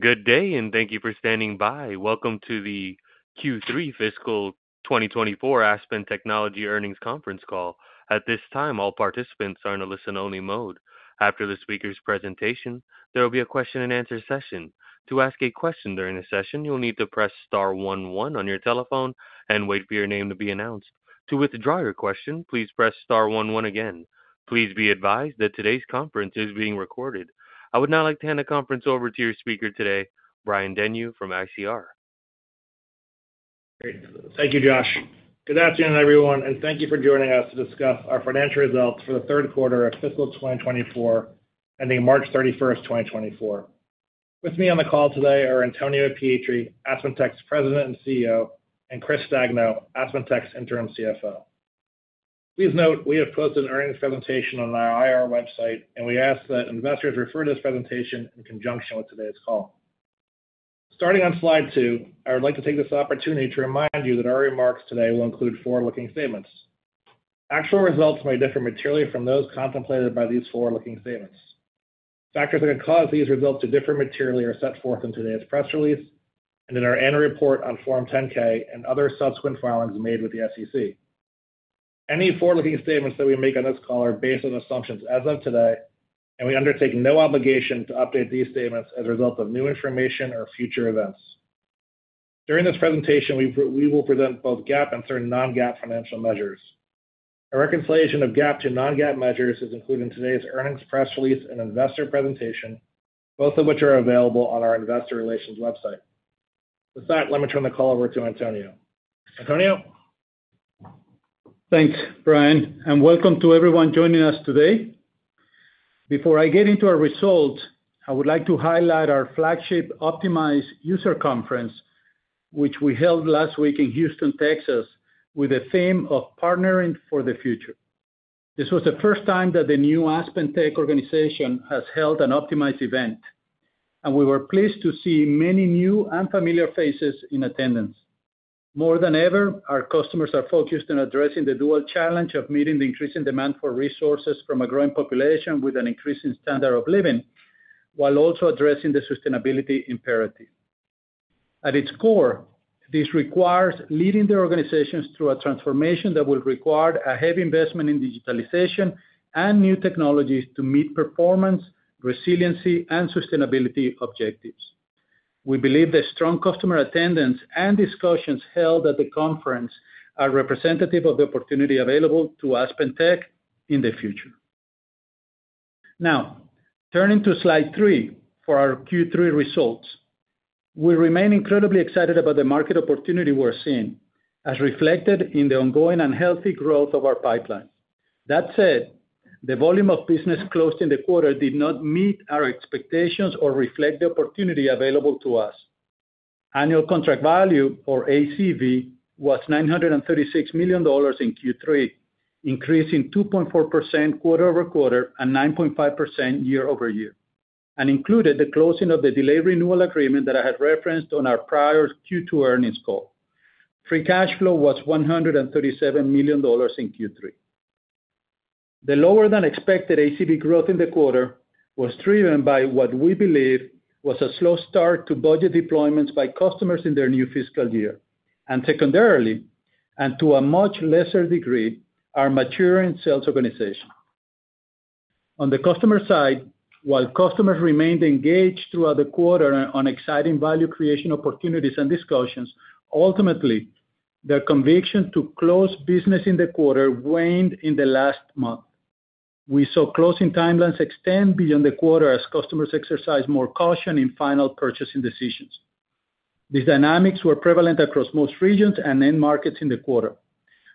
Good day, and thank you for standing by. Welcome to the Q3 Fiscal 2024 Aspen Technology Earnings Conference Call. At this time, all participants are in a listen-only mode. After the speaker's presentation, there will be a question-and-answer session. To ask a question during the session, you'll need to press star one one on your telephone and wait for your name to be announced. To withdraw your question, please press star one one again. Please be advised that today's conference is being recorded. I would now like to hand the conference over to your speaker today, Brian Denyeau from ICR. Great. Thank you, Josh. Good afternoon, everyone, and thank you for joining us to discuss our financial results for the third quarter of Fiscal 2024, ending March 31, 2024. With me on the call today are Antonio Pietri, AspenTech's President and CEO, and Chris Stagno, AspenTech's Interim CFO. Please note, we have posted an earnings presentation on our IR website, and we ask that investors refer to this presentation in conjunction with today's call. Starting on slide two, I would like to take this opportunity to remind you that our remarks today will include forward-looking statements. Actual results may differ materially from those contemplated by these forward-looking statements. Factors that could cause these results to differ materially are set forth in today's press release and in our annual report on Form 10-K and other subsequent filings made with the SEC. Any forward-looking statements that we make on this call are based on assumptions as of today, and we undertake no obligation to update these statements as a result of new information or future events. During this presentation, we will present both GAAP and certain non-GAAP financial measures. A reconciliation of GAAP to non-GAAP measures is included in today's earnings press release and investor presentation, both of which are available on our investor relations website. With that, let me turn the call over to Antonio. Antonio? Thanks, Brian, and welcome to everyone joining us today. Before I get into our results, I would like to highlight our flagship Optimize user conference, which we held last week in Houston, Texas, with the theme of Partnering for the Future. This was the first time that the new AspenTech organization has held an Optimize event, and we were pleased to see many new and familiar faces in attendance. More than ever, our customers are focused on addressing the dual challenge of meeting the increasing demand for resources from a growing population with an increasing standard of living, while also addressing the sustainability imperative. At its core, this requires leading their organizations through a transformation that will require a heavy investment in digitalization and new technologies to meet performance, resiliency, and sustainability objectives. We believe that strong customer attendance and discussions held at the conference are representative of the opportunity available to AspenTech in the future. Now, turning to slide 3 for our Q3 results. We remain incredibly excited about the market opportunity we're seeing, as reflected in the ongoing and healthy growth of our pipeline. That said, the volume of business closed in the quarter did not meet our expectations or reflect the opportunity available to us. Annual Contract Value, or ACV, was $936 million in Q3, increasing 2.4% quarter-over-quarter and 9.5% year-over-year, and included the closing of the delayed renewal agreement that I had referenced on our prior Q2 earnings call. Free cash flow was $137 million in Q3. The lower-than-expected ACV growth in the quarter was driven by what we believe was a slow start to budget deployments by customers in their new fiscal year, and secondarily, and to a much lesser degree, our maturing sales organization. On the customer side, while customers remained engaged throughout the quarter on exciting value creation opportunities and discussions, ultimately, their conviction to close business in the quarter waned in the last month. We saw closing timelines extend beyond the quarter as customers exercised more caution in final purchasing decisions. These dynamics were prevalent across most regions and end markets in the quarter.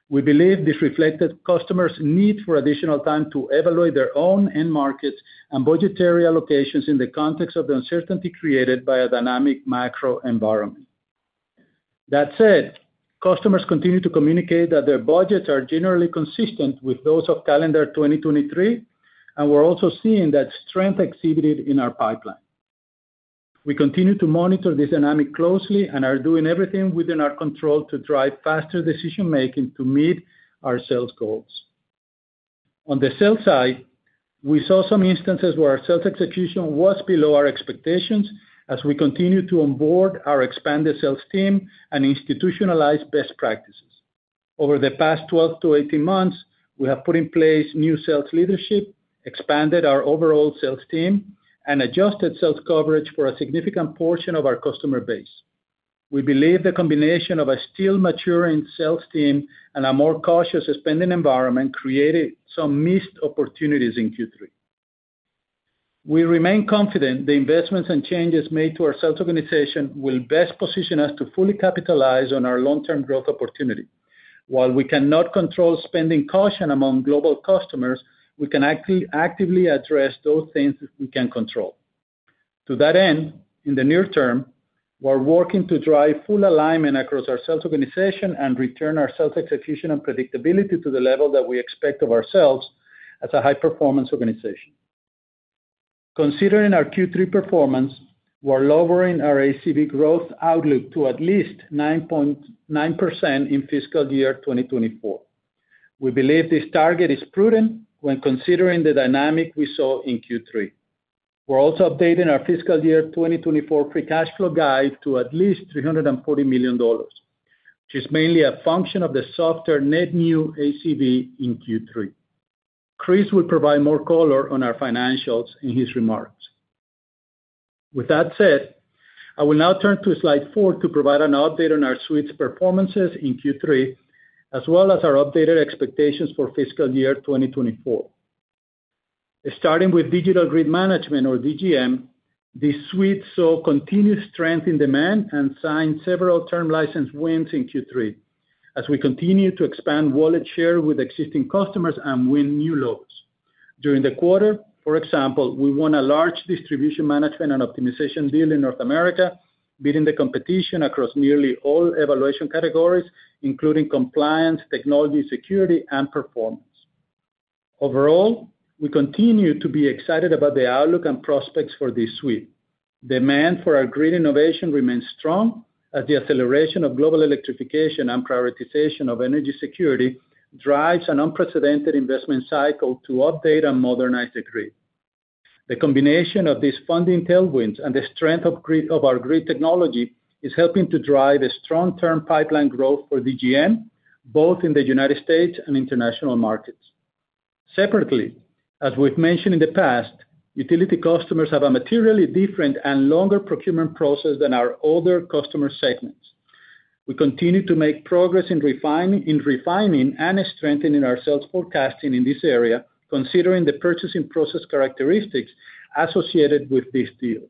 We believe this reflected customers' need for additional time to evaluate their own end markets and budgetary allocations in the context of the uncertainty created by a dynamic macro environment. That said, customers continue to communicate that their budgets are generally consistent with those of calendar 2023, and we're also seeing that strength exhibited in our pipeline. We continue to monitor this dynamic closely and are doing everything within our control to drive faster decision-making to meet our sales goals. On the sales side, we saw some instances where our sales execution was below our expectations as we continued to onboard our expanded sales team and institutionalize best practices. Over the past 12-18 months, we have put in place new sales leadership, expanded our overall sales team, and adjusted sales coverage for a significant portion of our customer base. We believe the combination of a still maturing sales team and a more cautious spending environment created some missed opportunities in Q3. We remain confident the investments and changes made to our sales organization will best position us to fully capitalize on our long-term growth opportunity. While we cannot control spending caution among global customers, we can actually actively address those things that we can control. To that end, in the near term, we're working to drive full alignment across our sales organization and return our sales execution and predictability to the level that we expect of ourselves as a high-performance organization. Considering our Q3 performance, we're lowering our ACV growth outlook to at least 9.9% in Fiscal year 2024. We believe this target is prudent when considering the dynamic we saw in Q3. We're also updating our Fiscal year 2024 free cash flow guide to at least $340 million, which is mainly a function of the softer net new ACV in Q3. Chris will provide more color on our financials in his remarks. With that said, I will now turn to slide 4 to provide an update on our suites' performances in Q3, as well as our updated expectations for Fiscal year 2024. Starting with Digital Grid Management, or DGM, this suite saw continued strength in demand and signed several term license wins in Q3, as we continue to expand wallet share with existing customers and win new loads. During the quarter, for example, we won a large distribution management and optimization deal in North America, beating the competition across nearly all evaluation categories, including compliance, technology, security, and performance. Overall, we continue to be excited about the outlook and prospects for this suite. Demand for our grid innovation remains strong, as the acceleration of global electrification and prioritization of energy security drives an unprecedented investment cycle to update and modernize the grid. The combination of these funding tailwinds and the strength of our grid technology is helping to drive a strong term pipeline growth for DGM, both in the United States and international markets. Separately, as we've mentioned in the past, utility customers have a materially different and longer procurement process than our other customer segments. We continue to make progress in refining and strengthening our sales forecasting in this area, considering the purchasing process characteristics associated with these deals.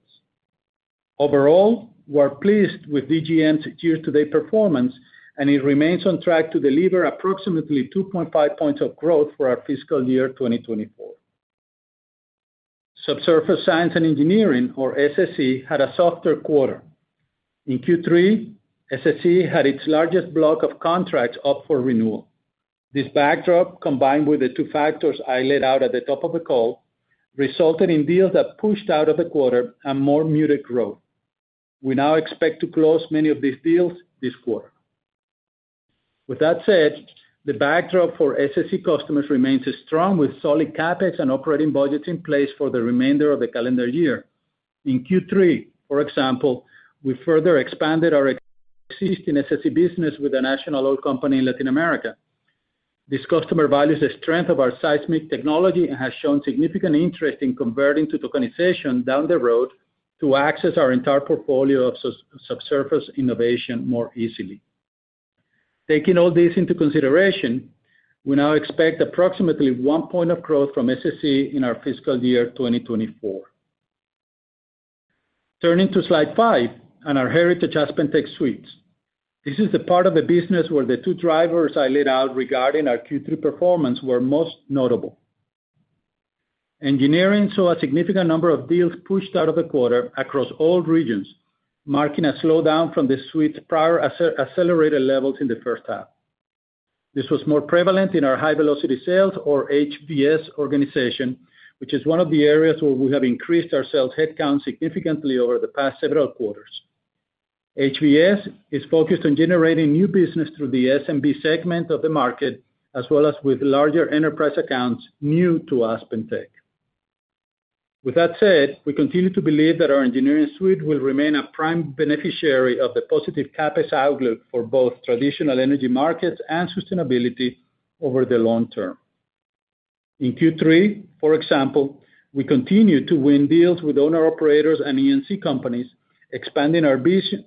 Overall, we're pleased with DGM's year-to-date performance, and it remains on track to deliver approximately 2.5 points of growth for our Fiscal year 2024. Subsurface Science and Engineering, or SSE, had a softer quarter. In Q3, SSE had its largest block of contracts up for renewal. This backdrop, combined with the two factors I laid out at the top of the call, resulted in deals that pushed out of the quarter and more muted growth. We now expect to close many of these deals this quarter. With that said, the backdrop for SSE customers remains strong, with solid CapEx and operating budgets in place for the remainder of the calendar year. In Q3, for example, we further expanded our existing SSE business with a national oil company in Latin America. This customer values the strength of our seismic technology and has shown significant interest in converting to tokenization down the road to access our entire portfolio of subsurface innovation more easily. Taking all this into consideration, we now expect approximately one point of growth from SSE in our Fiscal year 2024. Turning to slide five on our Heritage AspenTech suites. This is the part of the business where the 2 drivers I laid out regarding our Q3 performance were most notable. Engineering saw a significant number of deals pushed out of the quarter across all regions, marking a slowdown from the suite's prior accelerated levels in the first half. This was more prevalent in our High Velocity Sales, or HVS, organization, which is one of the areas where we have increased our sales headcount significantly over the past several quarters. HVS is focused on generating new business through the SMB segment of the market, as well as with larger enterprise accounts new to AspenTech. With that said, we continue to believe that our engineering suite will remain a prime beneficiary of the positive CapEx outlook for both traditional energy markets and sustainability over the long term. In Q3, for example, we continued to win deals with owner-operators and E&C companies, expanding our business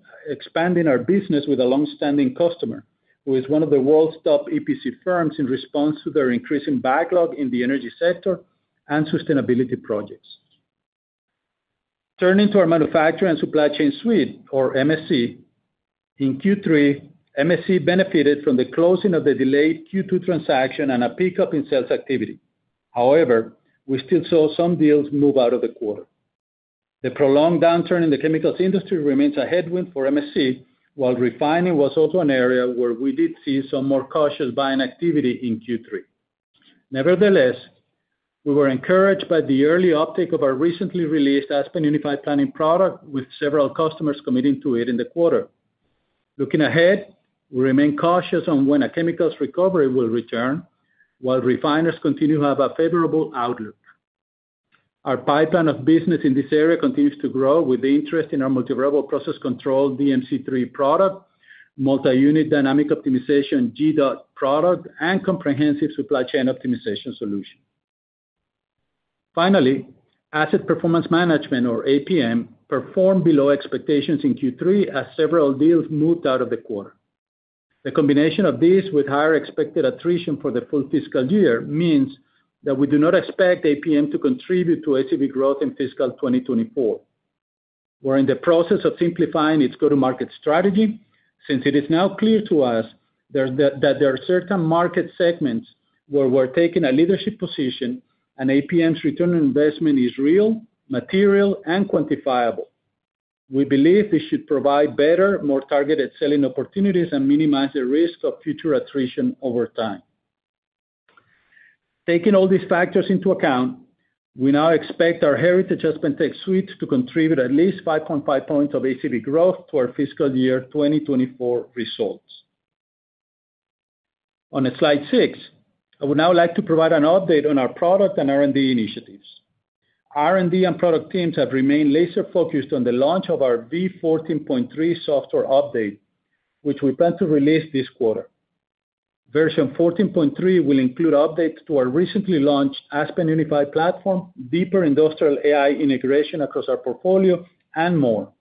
with a long-standing customer, who is one of the world's top EPC firms, in response to their increasing backlog in the energy sector and sustainability projects. Turning to our Manufacturing and Supply Chain suite, or MSC. In Q3, MSC benefited from the closing of the delayed Q2 transaction and a pickup in sales activity. However, we still saw some deals move out of the quarter. The prolonged downturn in the chemicals industry remains a headwind for MSC, while refining was also an area where we did see some more cautious buying activity in Q3. Nevertheless, we were encouraged by the early uptake of our recently released Aspen Unified Planning product, with several customers committing to it in the quarter. Looking ahead, we remain cautious on when a chemicals recovery will return, while refiners continue to have a favorable outlook. Our pipeline of business in this area continues to grow, with interest in our multivariable process control DMC3 product, multi-unit dynamic optimization GDOT product, and comprehensive supply chain optimization solution. Finally, Asset Performance Management, or APM, performed below expectations in Q3 as several deals moved out of the quarter. The combination of this with higher expected attrition for the full fiscal year means that we do not expect APM to contribute to ACV growth in Fiscal 2024. We're in the process of simplifying its go-to-market strategy since it is now clear to us that there are certain market segments where we're taking a leadership position and APM's return on investment is real, material, and quantifiable. We believe this should provide better, more targeted selling opportunities and minimize the risk of future attrition over time... Taking all these factors into account, we now expect our Heritage AspenTech suites to contribute at least 5.5 points of ACV growth to our Fiscal year 2024 results. On to slide six, I would now like to provide an update on our product and R&D initiatives. R&D and product teams have remained laser-focused on the launch of our V14.3 software update, which we plan to release this quarter. Version 14.3 will include updates to our recently launched Aspen Unified platform, deeper industrial AI integration across our portfolio, and more.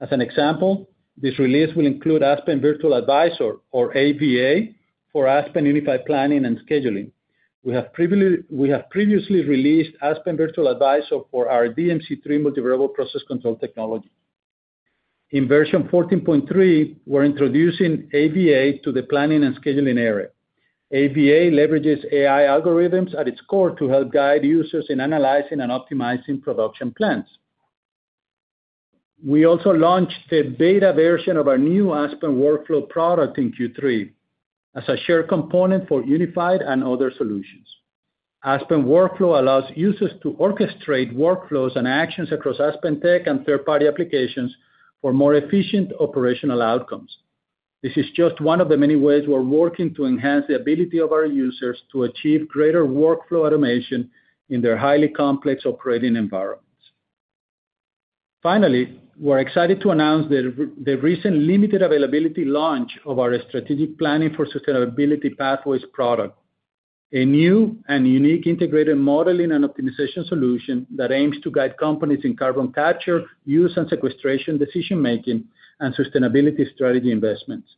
As an example, this release will include Aspen Virtual Advisor, or AVA, for Aspen Unified Planning and Scheduling. We have previously released Aspen Virtual Advisor for our DMC3 multi-variable process control technology. In version 14.3, we're introducing AVA to the planning and scheduling area. AVA leverages AI algorithms at its core to help guide users in analyzing and optimizing production plans. We also launched the beta version of our new Aspen Workflow product in Q3 as a shared component for Unified and other solutions. Aspen Workflow allows users to orchestrate workflows and actions across AspenTech and third-party applications for more efficient operational outcomes. This is just one of the many ways we're working to enhance the ability of our users to achieve greater workflow automation in their highly complex operating environments. Finally, we're excited to announce the recent limited availability launch of our Strategic Planning for Sustainability Pathways product, a new and unique integrated modeling and optimization solution that aims to guide companies in carbon capture, use, and sequestration decision-making, and sustainability strategy investments.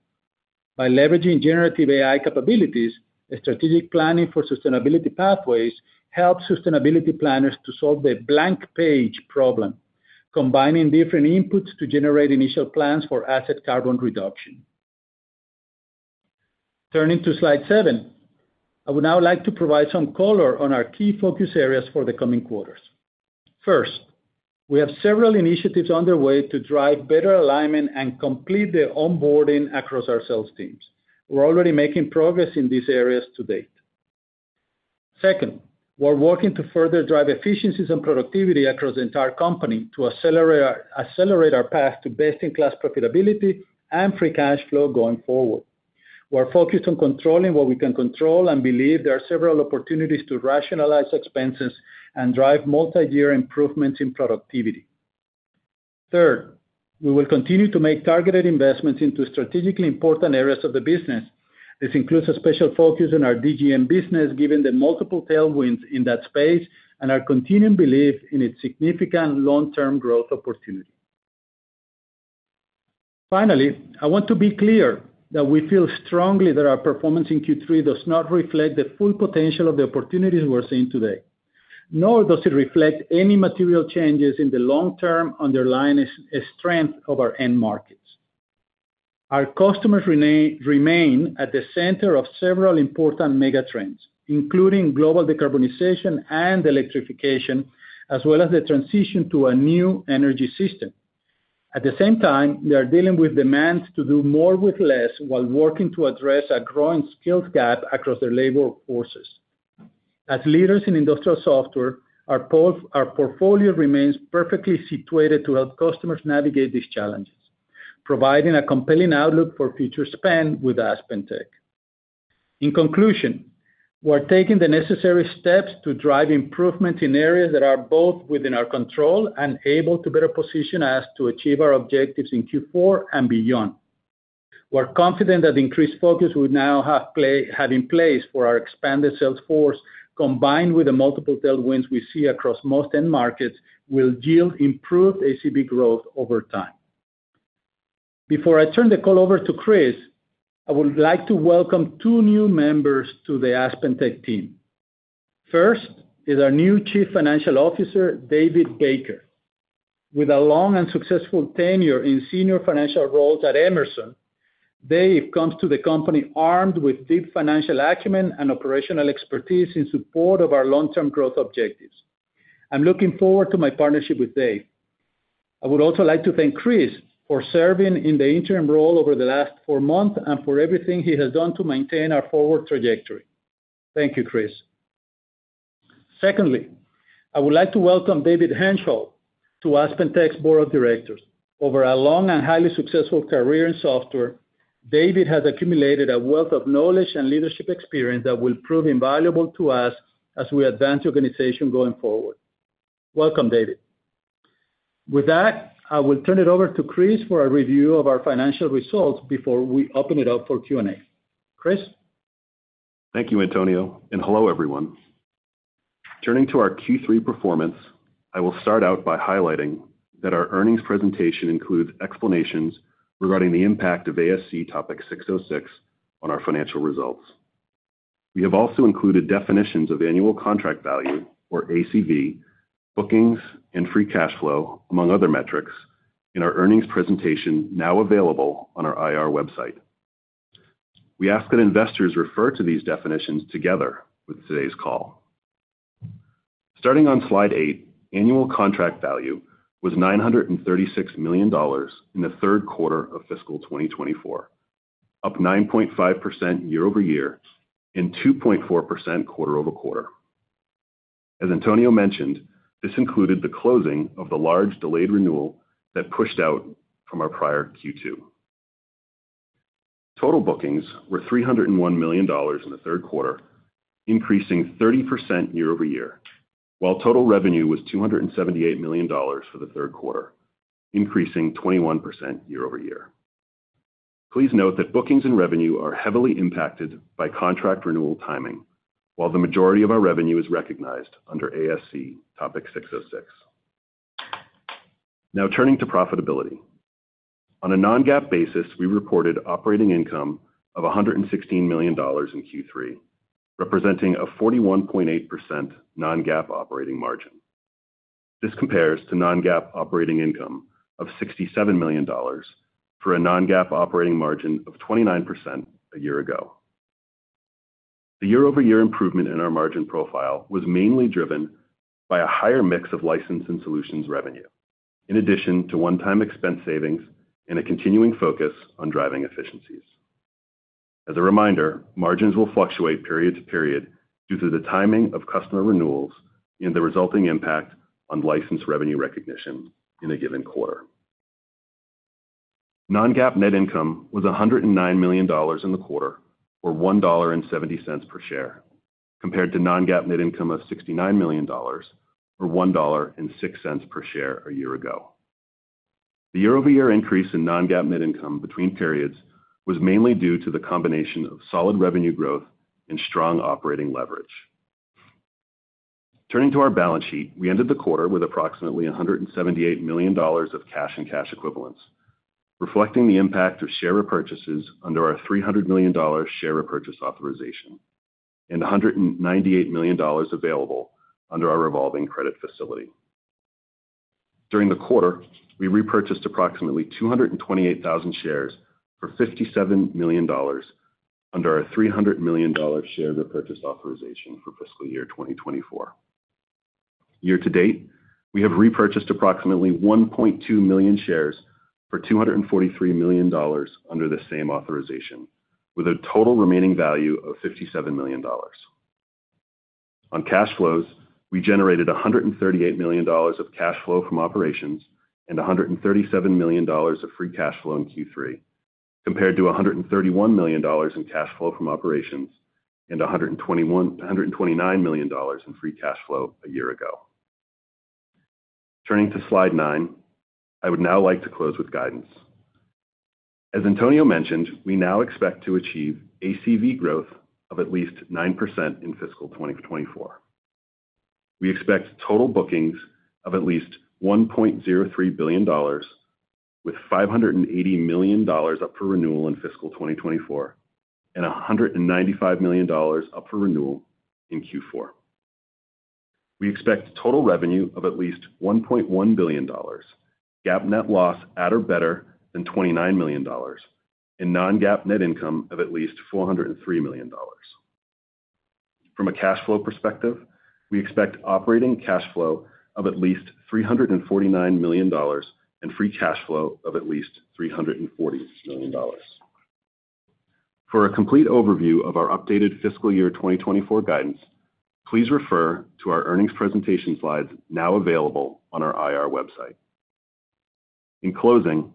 By leveraging generative AI capabilities, the Strategic Planning for Sustainability Pathways helps sustainability planners to solve the blank page problem, combining different inputs to generate initial plans for asset carbon reduction. Turning to slide seven, I would now like to provide some color on our key focus areas for the coming quarters. First, we have several initiatives underway to drive better alignment and complete the onboarding across our sales teams. We're already making progress in these areas to date. Second, we're working to further drive efficiencies and productivity across the entire company to accelerate our, accelerate our path to best-in-class profitability and free cash flow going forward. We're focused on controlling what we can control and believe there are several opportunities to rationalize expenses and drive multi-year improvements in productivity. Third, we will continue to make targeted investments into strategically important areas of the business. This includes a special focus on our DGM business, given the multiple tailwinds in that space, and our continuing belief in its significant long-term growth opportunity. Finally, I want to be clear that we feel strongly that our performance in Q3 does not reflect the full potential of the opportunities we're seeing today, nor does it reflect any material changes in the long-term underlying strength of our end markets. Our customers remain at the center of several important mega trends, including global decarbonization and electrification, as well as the transition to a new energy system. At the same time, they are dealing with demands to do more with less, while working to address a growing skills gap across their labor forces. As leaders in industrial software, our portfolio remains perfectly situated to help customers navigate these challenges, providing a compelling outlook for future spend with AspenTech. In conclusion, we're taking the necessary steps to drive improvement in areas that are both within our control and able to better position us to achieve our objectives in Q4 and beyond. We're confident that the increased focus we now have in place for our expanded sales force, combined with the multiple tailwinds we see across most end markets, will yield improved ACV growth over time. Before I turn the call over to Chris, I would like to welcome two new members to the AspenTech team. First is our new Chief Financial Officer, David Baker. With a long and successful tenure in senior financial roles at Emerson, Dave comes to the company armed with deep financial acumen and operational expertise in support of our long-term growth objectives. I'm looking forward to my partnership with Dave. I would also like to thank Chris for serving in the interim role over the last four months and for everything he has done to maintain our forward trajectory. Thank you, Chris. Secondly, I would like to welcome David Henshall to AspenTech's board of directors. Over a long and highly successful career in software, David has accumulated a wealth of knowledge and leadership experience that will prove invaluable to us as we advance the organization going forward. Welcome, David. With that, I will turn it over to Chris for a review of our financial results before we open it up for Q&A. Chris? Thank you, Antonio, and hello, everyone. Turning to our Q3 performance, I will start out by highlighting that our earnings presentation includes explanations regarding the impact of ASC Topic 606 on our financial results. We have also included definitions of annual contract value, or ACV, bookings, and free cash flow, among other metrics, in our earnings presentation, now available on our IR website. We ask that investors refer to these definitions together with today's call. Starting on Slide 8, annual contract value was $936 million in the third quarter of Fiscal 2024, up 9.5% year-over-year and 2.4% quarter-over-quarter. As Antonio mentioned, this included the closing of the large delayed renewal that pushed out from our prior Q2. Total bookings were $301 million in the third quarter, increasing 30% year-over-year, while total revenue was $278 million for the third quarter, increasing 21% year-over-year. Please note that bookings and revenue are heavily impacted by contract renewal timing, while the majority of our revenue is recognized under ASC Topic 606. Now, turning to profitability. On a non-GAAP basis, we reported operating income of $116 million in Q3, representing a 41.8% non-GAAP operating margin. This compares to non-GAAP operating income of $67 million for a non-GAAP operating margin of 29% a year ago. The year-over-year improvement in our margin profile was mainly driven by a higher mix of license and solutions revenue, in addition to one-time expense savings and a continuing focus on driving efficiencies. As a reminder, margins will fluctuate period to period due to the timing of customer renewals and the resulting impact on licensed revenue recognition in a given quarter. Non-GAAP net income was $109 million in the quarter, or $1.70 per share, compared to non-GAAP net income of $69 million, or $1.06 per share a year ago. The year-over-year increase in non-GAAP net income between periods was mainly due to the combination of solid revenue growth and strong operating leverage. Turning to our balance sheet, we ended the quarter with approximately $178 million of cash and cash equivalents, reflecting the impact of share repurchases under our $300 million share repurchase authorization and $198 million available under our revolving credit facility. During the quarter, we repurchased approximately 228,000 shares for $57 million under our $300 million share repurchase authorization for Fiscal year 2024. Year to date, we have repurchased approximately 1.2 million shares for $243 million under the same authorization, with a total remaining value of $57 million. On cash flows, we generated $138 million of cash flow from operations and $137 million of free cash flow in Q3, compared to $131 million in cash flow from operations and $129 million in free cash flow a year ago. Turning to Slide 9, I would now like to close with guidance. As Antonio mentioned, we now expect to achieve ACV growth of at least 9% in Fiscal 2024. We expect total bookings of at least $1.03 billion, with $580 million up for renewal in Fiscal 2024 and $195 million up for renewal in Q4. We expect total revenue of at least $1.1 billion, GAAP net loss at or better than $29 million, and non-GAAP net income of at least $403 million. From a cash flow perspective, we expect operating cash flow of at least $349 million and free cash flow of at least $340 million. For a complete overview of our updated Fiscal year 2024 guidance, please refer to our earnings presentation slides now available on our IR website. In closing,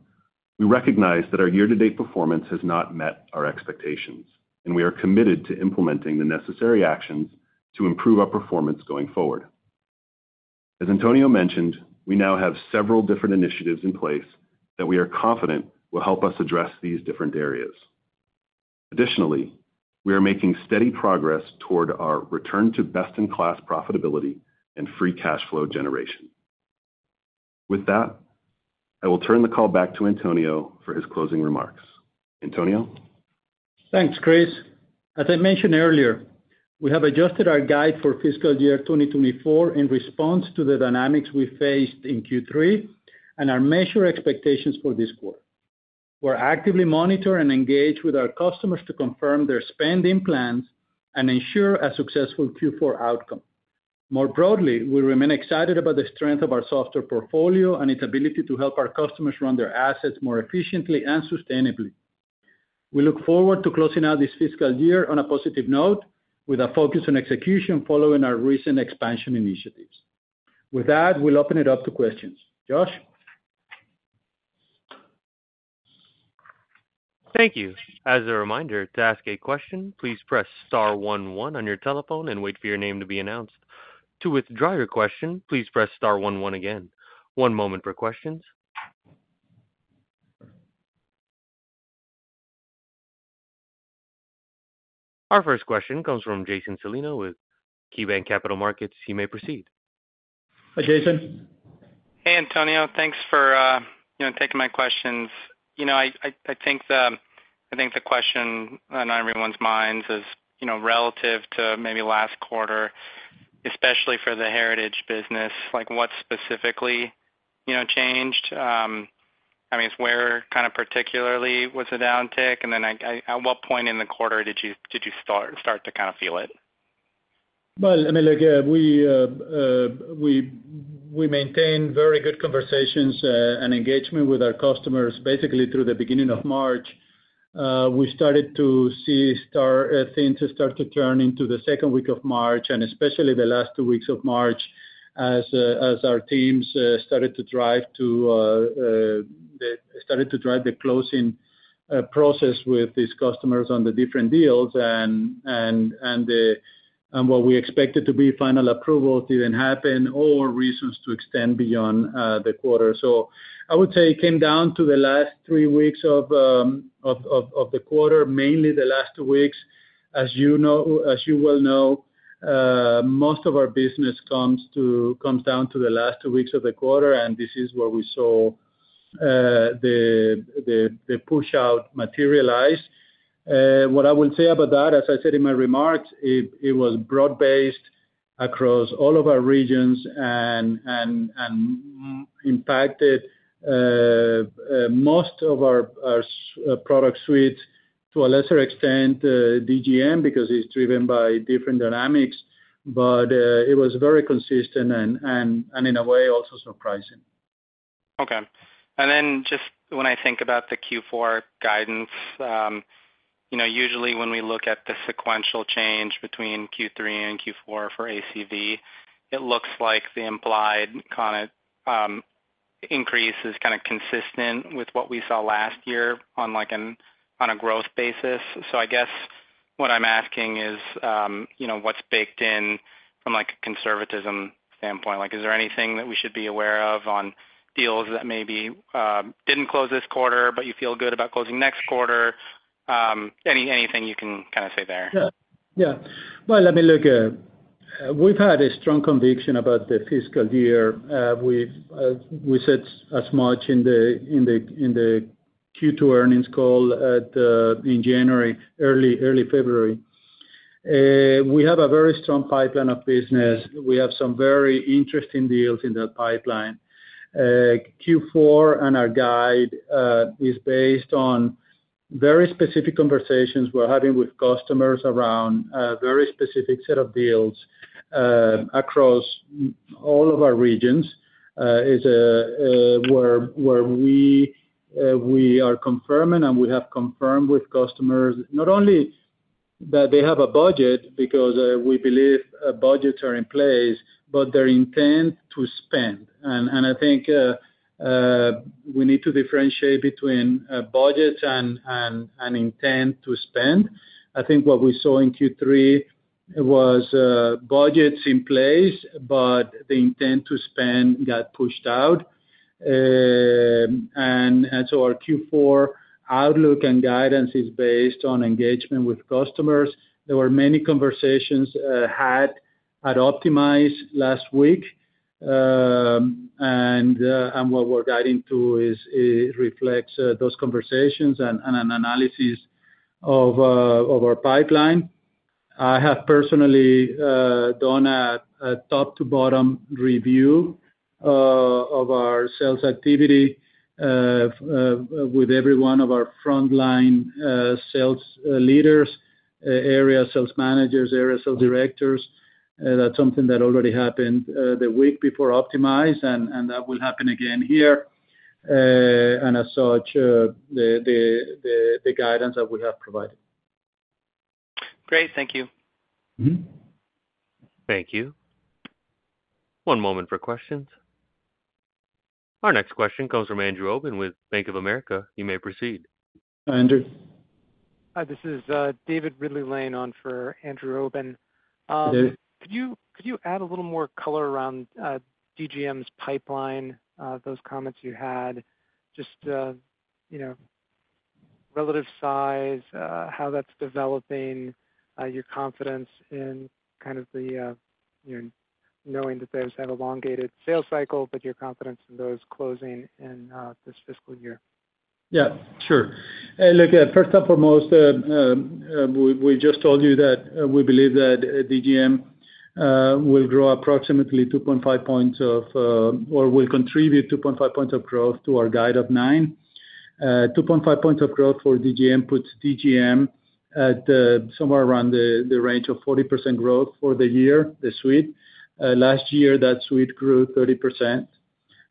we recognize that our year-to-date performance has not met our expectations, and we are committed to implementing the necessary actions to improve our performance going forward. As Antonio mentioned, we now have several different initiatives in place that we are confident will help us address these different areas. Additionally, we are making steady progress toward our return to best-in-class profitability and free cash flow generation. With that, I will turn the call back to Antonio for his closing remarks. Antonio? Thanks, Chris. As I mentioned earlier, we have adjusted our guidance for Fiscal year 2024 in response to the dynamics we faced in Q3 and our measured expectations for this quarter. We're actively monitoring and engaging with our customers to confirm their spending plans and ensure a successful Q4 outcome. More broadly, we remain excited about the strength of our software portfolio and its ability to help our customers run their assets more efficiently and sustainably. We look forward to closing out this fiscal year on a positive note, with a focus on execution following our recent expansion initiatives. With that, we'll open it up to questions. Josh? Thank you. As a reminder, to ask a question, please press star one one on your telephone and wait for your name to be announced. To withdraw your question, please press star one one again. One moment for questions. Our first question comes from Jason Celino with KeyBanc Capital Markets. You may proceed. Hi, Jason. Hey, Antonio. Thanks for, you know, taking my questions. You know, I think the question on everyone's minds is, you know, relative to maybe last quarter, especially for the heritage business, like, what specifically, you know, changed?... I mean, where kind of particularly was the downtick? And then, at what point in the quarter did you start to kind of feel it? Well, I mean, look, we maintained very good conversations and engagement with our customers, basically through the beginning of March. We started to see things start to turn into the second week of March, and especially the last two weeks of March, as our teams started to drive the closing process with these customers on the different deals. And what we expected to be final approval didn't happen, or reasons to extend beyond the quarter. So I would say it came down to the last three weeks of the quarter, mainly the last two weeks. As you well know, most of our business comes down to the last two weeks of the quarter, and this is where we saw the push-out materialize. What I will say about that, as I said in my remarks, it was broad-based across all of our regions and impacted most of our product suites, to a lesser extent DGM, because it's driven by different dynamics. But it was very consistent and in a way, also surprising. Okay. And then just when I think about the Q4 guidance, you know, usually when we look at the sequential change between Q3 and Q4 for ACV, it looks like the implied kind of increase is kind of consistent with what we saw last year on, like, on a growth basis. So I guess what I'm asking is, you know, what's baked in from, like, a conservatism standpoint? Like, is there anything that we should be aware of on deals that maybe didn't close this quarter, but you feel good about closing next quarter? Anything you can kind of say there? Yeah, yeah. Well, I mean, look, we've had a strong conviction about the fiscal year. We've said as much in the Q2 earnings call in January, early February. We have a very strong pipeline of business. We have some very interesting deals in that pipeline. Q4 and our guide is based on very specific conversations we're having with customers around a very specific set of deals across all of our regions. Is where we are confirming, and we have confirmed with customers, not only that they have a budget, because we believe budgets are in place, but their intent to spend. And I think we need to differentiate between budget and intent to spend. I think what we saw in Q3 was budgets in place, but the intent to spend got pushed out. And so our Q4 outlook and guidance is based on engagement with customers. There were many conversations had at Optimize last week. And what we're guiding to is it reflects those conversations and an analysis of our pipeline. I have personally done a top to bottom review of our sales activity with every one of our frontline sales leaders, area sales managers, area sales directors. That's something that already happened the week before Optimize, and that will happen again here. And as such, the guidance that we have provided. Great, thank you. Mm-hmm. Thank you. One moment for questions. Our next question comes from Andrew Obin with Bank of America. You may proceed. Hi, Andrew. Hi, this is David Ridley-Lane filling in for Andrew Obin. Hi, David. Could you add a little more color around DGM's pipeline, those comments you had? Just, you know, relative size, how that's developing, your confidence in kind of the, you know, knowing that those have elongated sales cycle, but your confidence in those closing in this fiscal year. Yeah, sure. Look, first and foremost, we just told you that we believe that DGM will grow approximately 2.5 points of or will contribute 2.5 points of growth to our guide of 9. 2.5 points of growth for DGM puts DGM at somewhere around the range of 40% growth for the year, the suite. Last year, that suite grew 30%.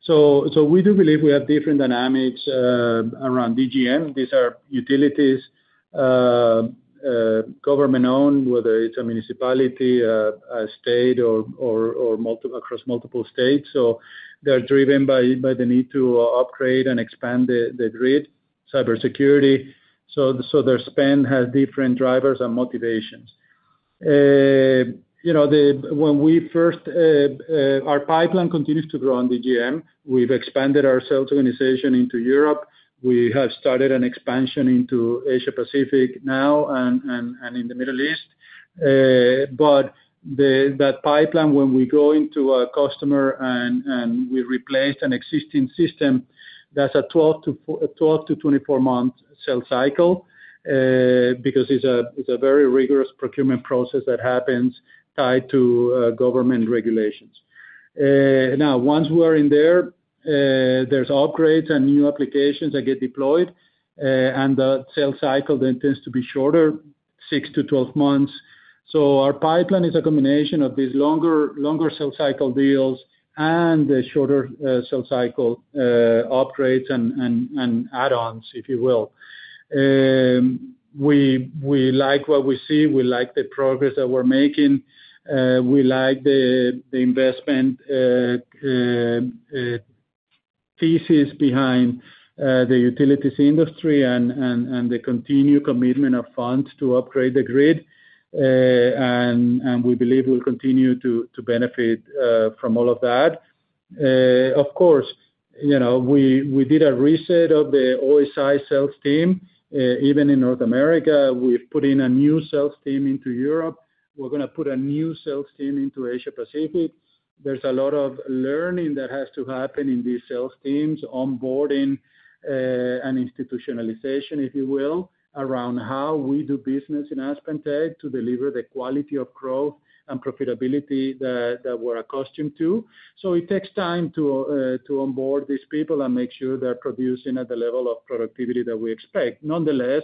So we do believe we have different dynamics around DGM. These are utilities, government-owned, whether it's a state or multiple across multiple states. So they're driven by the need to upgrade and expand the grid, cybersecurity. So their spend has different drivers and motivations. You know, our pipeline continues to grow on DGM. We've expanded our sales organization into Europe. We have started an expansion into Asia Pacific now, and in the Middle East. But that pipeline, when we go into a customer and we replace an existing system, that's a 12-24 month sales cycle, because it's a very rigorous procurement process that happens tied to government regulations. Now, once we are in there, there's upgrades and new applications that get deployed, and the sales cycle then tends to be shorter, 6-12 months. So our pipeline is a combination of these longer sales cycle deals and the shorter sales cycle upgrades and add-ons, if you will. We like what we see, we like the progress that we're making, we like the investment thesis behind the utilities industry and the continued commitment of funds to upgrade the grid. We believe we'll continue to benefit from all of that. Of course, you know, we did a reset of the OSI sales team, even in North America. We've put in a new sales team into Europe. We're gonna put a new sales team into Asia Pacific. There's a lot of learning that has to happen in these sales teams, onboarding, and institutionalization, if you will, around how we do business in AspenTech to deliver the quality of growth and profitability that we're accustomed to. So it takes time to, to onboard these people and make sure they're producing at the level of productivity that we expect. Nonetheless,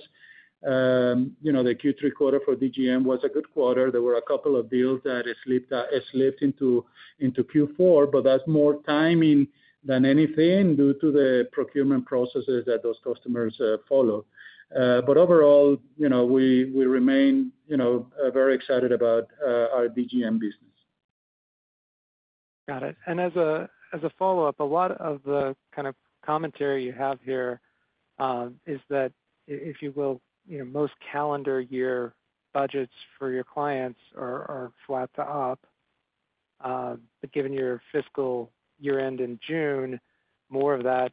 you know, the Q3 quarter for DGM was a good quarter. There were a couple of deals that slipped, slipped into, into Q4, but that's more timing than anything due to the procurement processes that those customers, follow. But overall, you know, we, we remain, you know, very excited about, our DGM business. Got it. And as a follow-up, a lot of the kind of commentary you have here is that if you will, you know, most calendar year budgets for your clients are flat to up. But given your fiscal year-end in June, more of that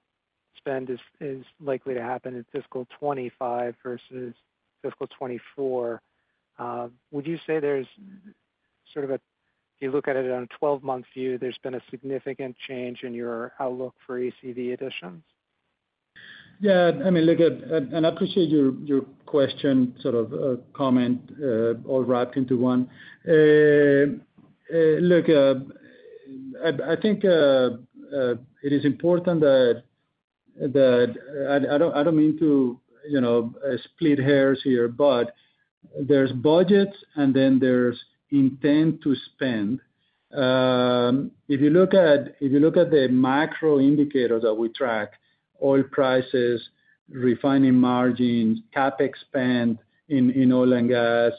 spend is likely to happen in Fiscal 2025 versus Fiscal 2024. Would you say there's sort of a, if you look at it on a 12-month view, there's been a significant change in your outlook for ACV additions? Yeah, I mean, look at and I appreciate your question, sort of, comment, all wrapped into one. Look, I think it is important that... I don't mean to, you know, split hairs here, but there's budgets, and then there's intent to spend. If you look at the macro indicators that we track, oil prices, refining margins, CapEx spend in oil and gas,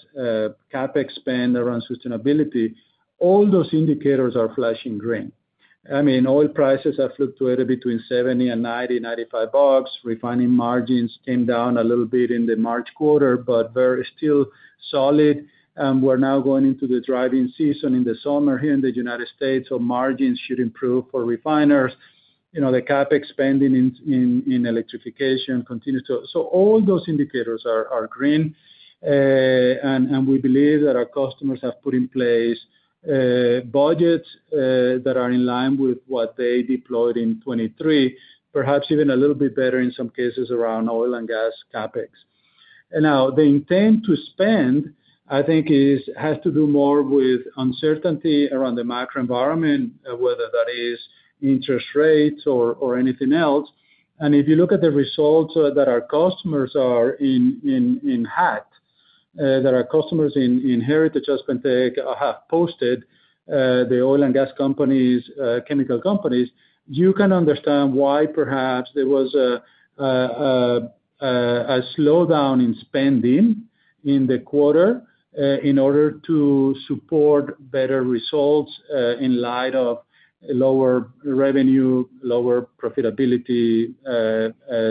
CapEx spend around sustainability, all those indicators are flashing green. I mean, oil prices have fluctuated between $70 and $95. Refining margins came down a little bit in the March quarter, but they're still solid. We're now going into the driving season in the summer here in the United States, so margins should improve for refiners. You know, the CapEx spending in electrification continues to... So all those indicators are green. And we believe that our customers have put in place budgets that are in line with what they deployed in 2023, perhaps even a little bit better in some cases around oil and gas CapEx. Now, the intent to spend, I think, has to do more with uncertainty around the macro environment, whether that is interest rates or anything else. And if you look at the results that our customers are in that our customers in Heritage AspenTech have posted, the oil and gas companies, chemical companies, you can understand why perhaps there was a slowdown in spending in the quarter, in order to support better results, in light of lower revenue, lower profitability,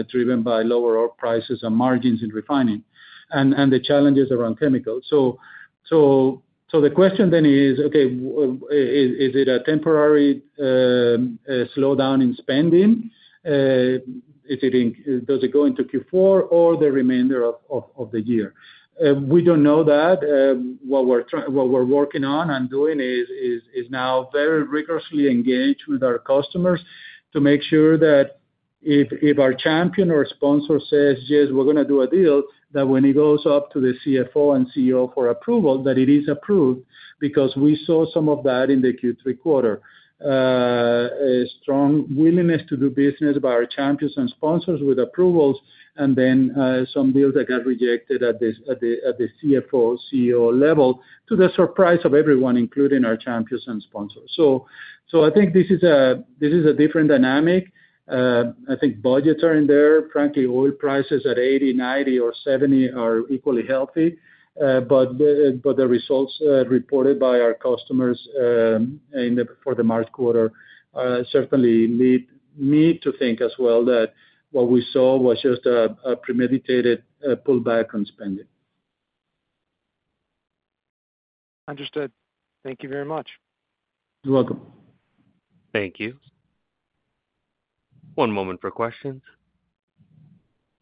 driven by lower oil prices and margins in refining, and the challenges around chemicals. So the question then is, okay, is it a temporary slowdown in spending? Does it go into Q4 or the remainder of the year? We don't know that. What we're working on and doing is now very rigorously engaged with our customers to make sure that if our champion or sponsor says, "Yes, we're gonna do a deal," that when it goes up to the CFO and CEO for approval, that it is approved, because we saw some of that in the Q3 quarter. A strong willingness to do business by our champions and sponsors with approvals, and then some deals that got rejected at the CFO, CEO level, to the surprise of everyone, including our champions and sponsors. So I think this is a different dynamic. I think budgets are in there. Frankly, oil prices at $80, $90, or $70 are equally healthy. But the results reported by our customers for the March quarter certainly lead me to think as well that what we saw was just a premeditated pullback on spending. Understood. Thank you very much. You're welcome. Thank you. One moment for questions.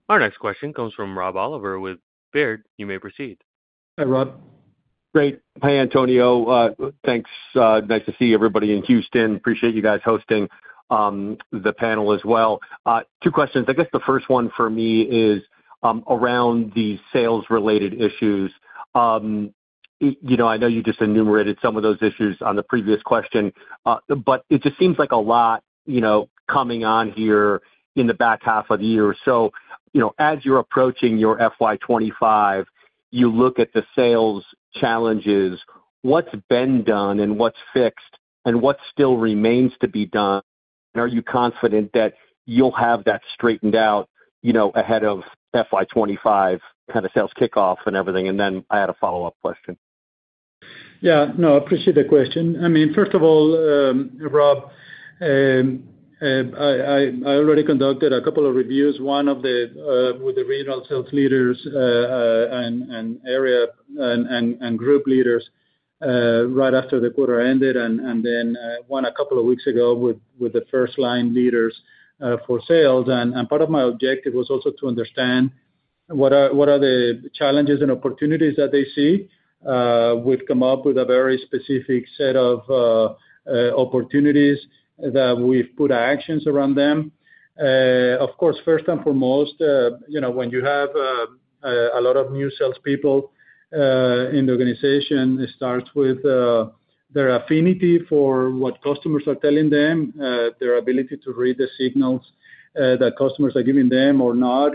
Our next question comes from Rob Oliver with Baird. You may proceed. Hi, Rob. Great. Hi, Antonio. Thanks, nice to see everybody in Houston. Appreciate you guys hosting, the panel as well. Two questions. I guess the first one for me is, around the sales-related issues. You know, I know you just enumerated some of those issues on the previous question, but it just seems like a lot, you know, coming on here in the back half of the year. So, you know, as you're approaching your FY 25, you look at the sales challenges, what's been done and what's fixed and what still remains to be done? And are you confident that you'll have that straightened out, you know, ahead of FY 25 kind of sales kickoff and everything? And then I had a follow-up question. Yeah, no, I appreciate the question. I mean, first of all, Rob, I already conducted a couple of reviews, one with the regional sales leaders, and area and group leaders, right after the quarter ended, and then one a couple of weeks ago with the first-line leaders for sales. Part of my objective was also to understand what are the challenges and opportunities that they see. We've come up with a very specific set of opportunities that we've put actions around them. Of course, first and foremost, you know, when you have a lot of new salespeople in the organization, it starts with their affinity for what customers are telling them, their ability to read the signals that customers are giving them or not,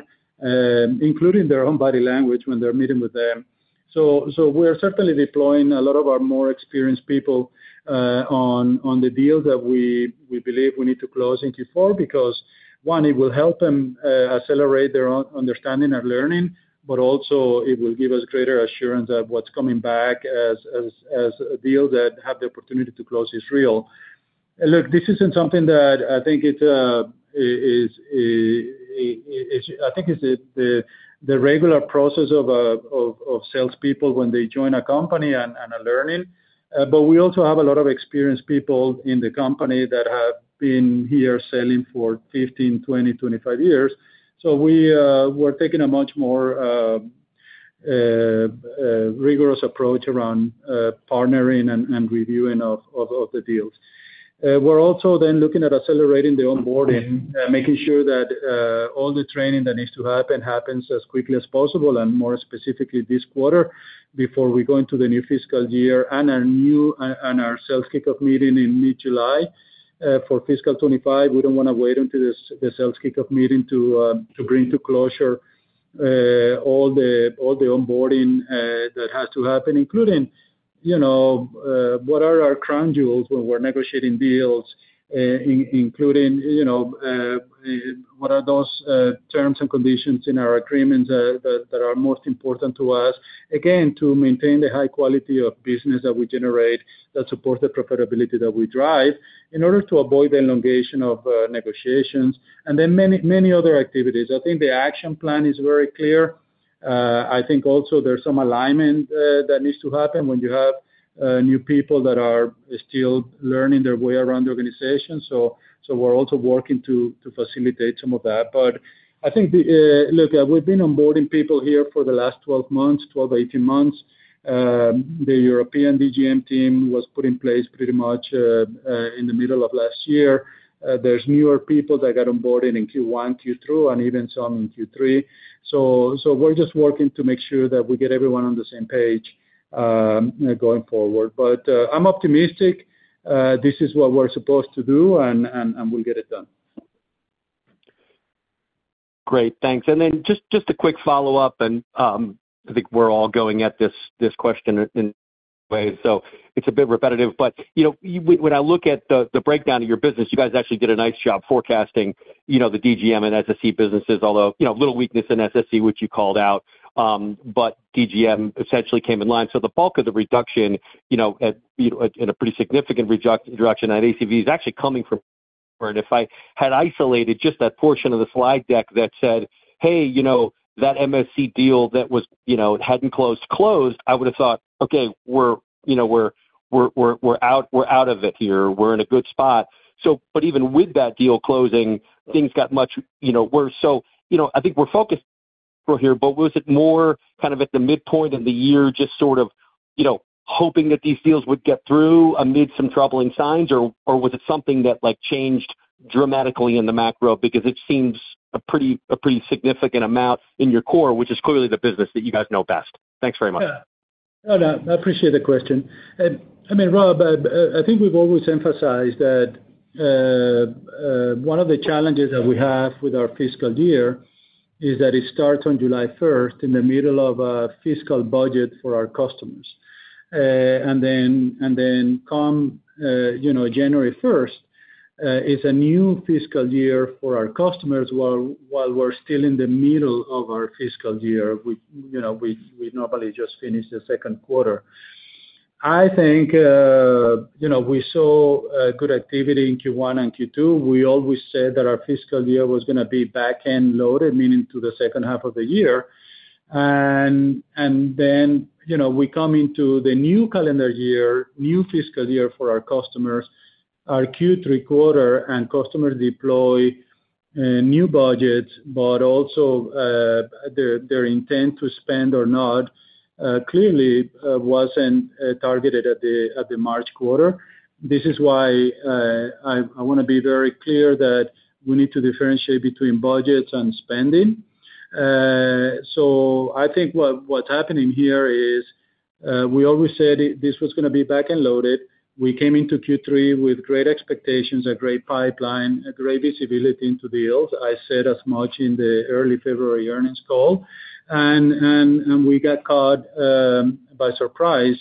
including their own body language when they're meeting with them. So we're certainly deploying a lot of our more experienced people on the deals that we believe we need to close in Q4, because one, it will help them accelerate their own understanding and learning, but also it will give us greater assurance of what's coming back as a deal that have the opportunity to close is real. And look, this isn't something that I think it's the regular process of salespeople when they join a company and are learning. But we also have a lot of experienced people in the company that have been here selling for 15, 20, 25 years. So we're taking a much more rigorous approach around partnering and reviewing of the deals. We're also then looking at accelerating the onboarding, making sure that all the training that needs to happen happens as quickly as possible, and more specifically this quarter, before we go into the new fiscal year and our new sales kickoff meeting in mid-July. For Fiscal 25, we don't wanna wait until the sales kickoff meeting to bring to closure all the onboarding that has to happen, including, you know, what are our crown jewels when we're negotiating deals, including, you know, what are those terms and conditions in our agreements that are most important to us? Again, to maintain the high quality of business that we generate that supports the profitability that we drive, in order to avoid the elongation of negotiations, and then many other activities. I think the action plan is very clear. I think also there's some alignment that needs to happen when you have new people that are still learning their way around the organization. So we're also working to facilitate some of that. But I think the look, we've been onboarding people here for the last 12 months, 12-18 months. The European DGM team was put in place pretty much in the middle of last year. There's newer people that got onboarded in Q1, Q2, and even some in Q3. So we're just working to make sure that we get everyone on the same page, going forward. But I'm optimistic. This is what we're supposed to do, and we'll get it done. Great, thanks. And then just a quick follow-up, and I think we're all going at this question in ways, so it's a bit repetitive, but you know, when I look at the breakdown of your business, you guys actually did a nice job forecasting, you know, the DGM and SSE businesses, although you know, a little weakness in SSE, which you called out. But DGM essentially came in line. So the bulk of the reduction, you know, in a pretty significant reduction at ACV, is actually coming from... And if I had isolated just that portion of the slide deck that said, "Hey, you know, that MSC deal that was, you know, hadn't closed," I would have thought, Okay, you know, we're out of it here. We're in a good spot. So but even with that deal closing, things got much, you know, worse. So, you know, I think we're focused for here, but was it more kind of at the midpoint of the year, just sort of, you know, hoping that these deals would get through amid some troubling signs? Or, or was it something that, like, changed dramatically in the macro? Because it seems a pretty, a pretty significant amount in your core, which is clearly the business that you guys know best. Thanks very much. Yeah. I appreciate the question. I mean, Rob, I think we've always emphasized that one of the challenges that we have with our fiscal year is that it starts on July first, in the middle of a fiscal budget for our customers. And then, and then comes, you know, January first, it's a new fiscal year for our customers, while we're still in the middle of our fiscal year. You know, we normally just finish the second quarter. I think, you know, we saw good activity in Q1 and Q2. We always said that our fiscal year was gonna be back-end loaded, meaning to the second half of the year. And then, you know, we come into the new calendar year, new fiscal year for our customers, our Q3 quarter and customer deploy, new budgets, but also, their intent to spend or not, clearly, wasn't targeted at the March quarter. This is why, I wanna be very clear that we need to differentiate between budgets and spending. So I think what's happening here is, we always said, this was gonna be back and loaded. We came into Q3 with great expectations, a great pipeline, a great visibility into deals. I said as much in the early February earnings call. And we got caught by surprise,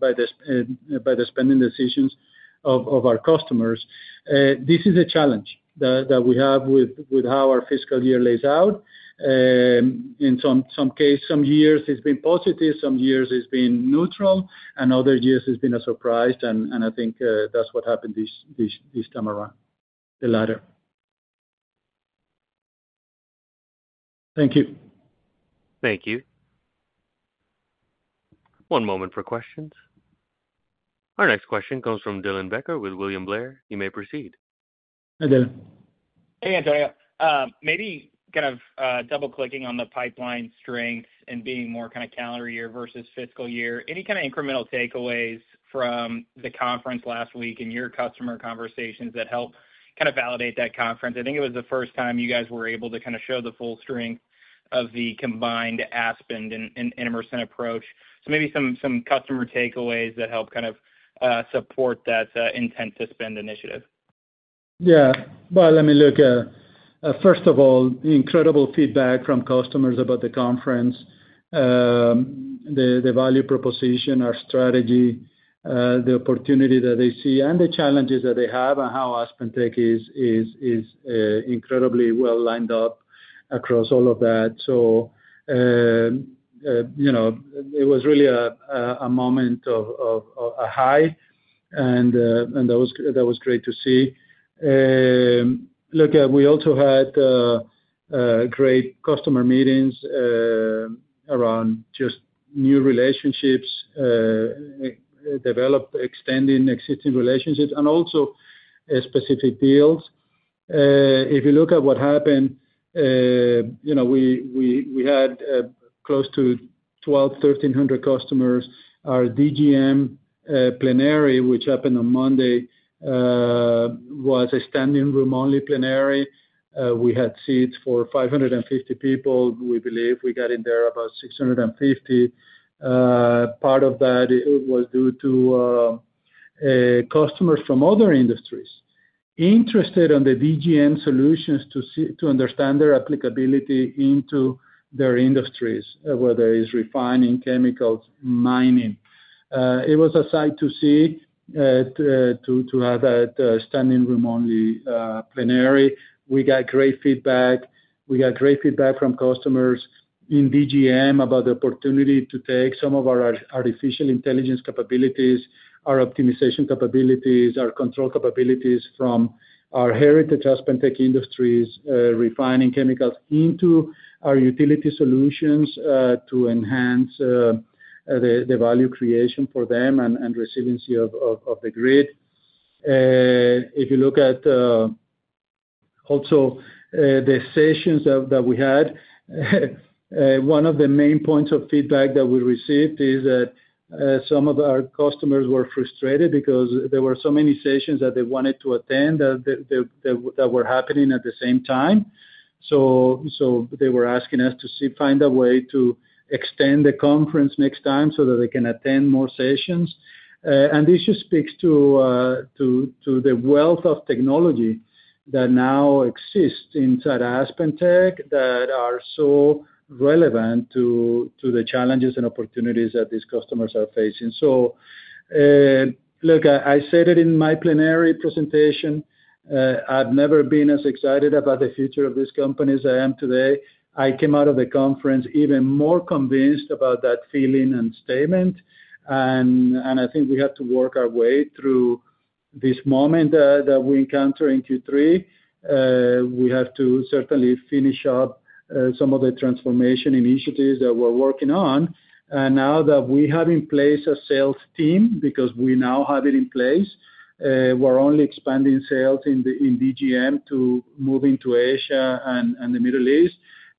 by the spending decisions of our customers. This is a challenge that we have with how our fiscal year lays out. In some cases, some years it's been positive, some years it's been neutral, and other years it's been a surprise, and I think that's what happened this time around, the latter. Thank you. Thank you. One moment for questions. Our next question comes from Dylan Becker with William Blair, you may proceed. Hi, Dylan. Hey, Antonio. Maybe kind of double-clicking on the pipeline strength and being more kind of calendar year versus fiscal year. Any kind of incremental takeaways from the conference last week and your customer conversations that helped kind of validate that conference? I think it was the first time you guys were able to kind of show the full strength of the combined Aspen and Emerson approach. So maybe some customer takeaways that help kind of support that intent to spend initiative. Yeah. Well, let me look, first of all, incredible feedback from customers about the conference. The value proposition, our strategy, the opportunity that they see, and the challenges that they have, and how AspenTech is incredibly well lined up across all of that. So, you know, it was really a moment of a high, and that was great to see. Look, we also had great customer meetings around just new relationships developed, extending existing relationships and also specific deals. If you look at what happened, you know, we had close to 1,200-1,300 customers. Our DGM plenary, which happened on Monday, was a standing room only plenary. We had seats for 550 people. We believe we got in there about 650. Part of that was due to customers from other industries interested in the DGM solutions to understand their applicability into their industries, whether it's refining, chemicals, mining. It was a sight to see, to have a standing room only plenary. We got great feedback. We got great feedback from customers in DGM about the opportunity to take some of our artificial intelligence capabilities, our optimization capabilities, our control capabilities from our Heritage AspenTech industries, refining chemicals into our utility solutions, to enhance the value creation for them and resiliency of the grid. If you look at also the sessions that we had, one of the main points of feedback that we received is that some of our customers were frustrated because there were so many sessions that they wanted to attend that were happening at the same time. So they were asking us to find a way to extend the conference next time so that they can attend more sessions. And this just speaks to the wealth of technology that now exists inside AspenTech that are so relevant to the challenges and opportunities that these customers are facing. So look, I said it in my plenary presentation. I've never been as excited about the future of this company as I am today. I came out of the conference even more convinced about that feeling and statement, and I think we have to work our way through this moment that we encounter in Q3. We have to certainly finish up some of the transformation initiatives that we're working on. And now that we have in place a sales team, because we now have it in place, we're only expanding sales in DGM to move into Asia and the Middle East.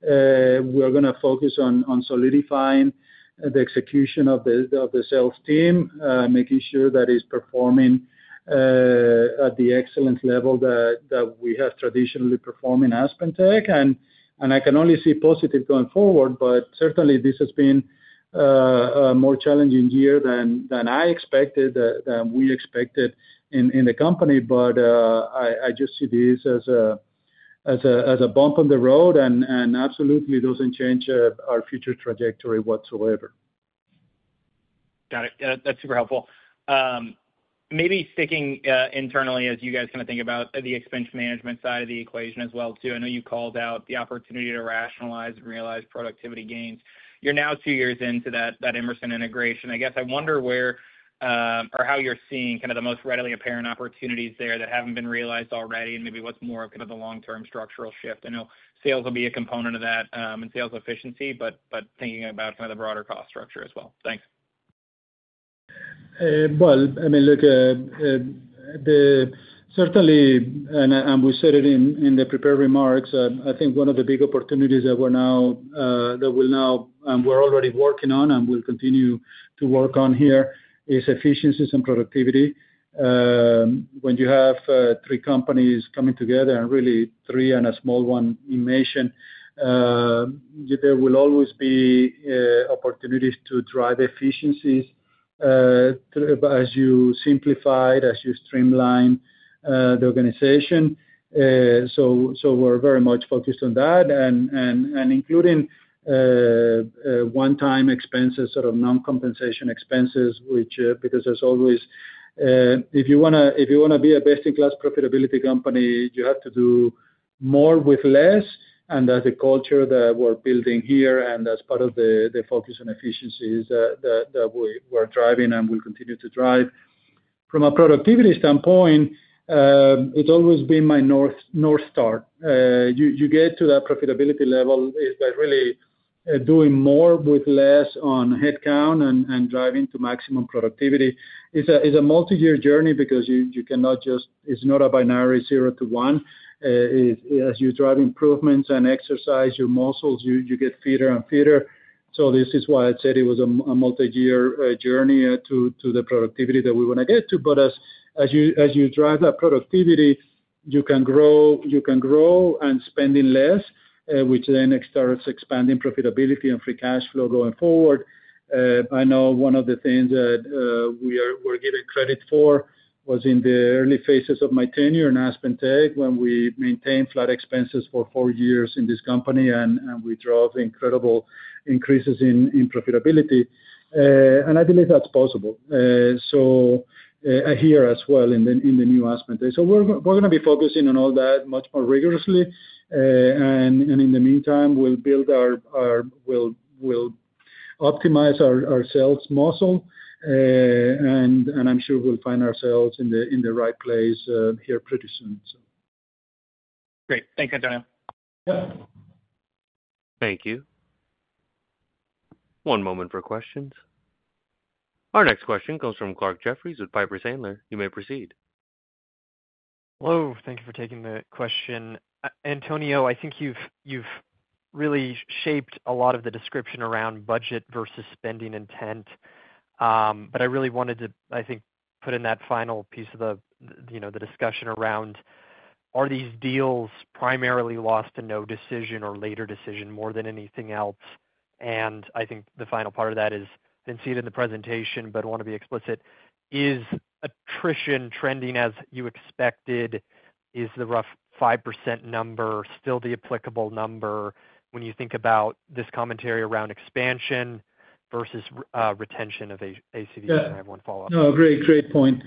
We're gonna focus on solidifying the execution of the sales team, making sure that it's performing at the excellent level that we have traditionally performed in AspenTech. And I can only see positive going forward, but certainly this has been a more challenging year than I expected, than we expected in the company. But I just see this as a bump on the road, and absolutely doesn't change our future trajectory whatsoever. Got it. That's super helpful. Maybe sticking internally as you guys kind of think about the expense management side of the equation as well, too. I know you called out the opportunity to rationalize and realize productivity gains. You're now two years into that Emerson integration. I guess I wonder where, or how you're seeing kind of the most readily apparent opportunities there that haven't been realized already, and maybe what's more kind of the long-term structural shift? I know sales will be a component of that, and sales efficiency, but thinking about kind of the broader cost structure as well. Thanks. Well, I mean, look, certainly, and we said it in the prepared remarks. I think one of the big opportunities that we'll now, and we're already working on and will continue to work on here, is efficiencies and productivity. When you have three companies coming together, and really three and a small one Inmation, there will always be opportunities to drive efficiencies, to as you simplify, as you streamline the organization. So, we're very much focused on that. Including a one-time expenses, sort of non-compensation expenses, which, because there's always- if you wanna be a best-in-class profitability company, you have to do more with less, and that's the culture that we're building here, and that's part of the focus on efficiencies that we're driving and will continue to drive. From a productivity standpoint, it's always been my north star. You get to that profitability level by really doing more with less on headcount and driving to maximum productivity. It's a multi-year journey because you cannot just-- it's not a binary zero to one. As you drive improvements and exercise your muscles, you get fitter and fitter. So this is why I said it was a multi-year journey to the productivity that we wanna get to. But as you drive that productivity, you can grow, you can grow and spending less, which then starts expanding profitability and free cash flow going forward. I know one of the things that we are getting credit for was in the early phases of my tenure in AspenTech, when we maintained flat expenses for four years in this company, and we drove incredible increases in profitability. And I believe that's possible. So here as well in the new AspenTech. So we're gonna be focusing on all that much more rigorously. And in the meantime, we'll build our sales muscle, and I'm sure we'll find ourselves in the right place here pretty soon. Great. Thank you, Antonio. Thank you. One moment for questions. Our next question comes from Clarke Jeffries with Piper Sandler. You may proceed. Hello. Thank you for taking the question. Antonio, I think you've, you've really shaped a lot of the description around budget versus spending intent. But I really wanted to, I think, put in that final piece of the, you know, the discussion around, are these deals primarily lost to no decision or later decision, more than anything else? And I think the final part of that is, been seen in the presentation, but I wanna be explicit, is attrition trending as you expected? Is the rough 5% number still the applicable number when you think about this commentary around expansion versus retention of ACV? I have one follow-up. No, great, great point.